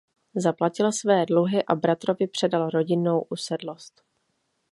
Zaplatil své dluhy a bratrovi předal rodinnou usedlost.